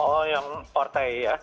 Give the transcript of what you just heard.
oh yang partai ya